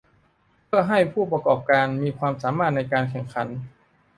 เพื่อให้ผู้ประกอบการมีความสามารถในการแข่งขัน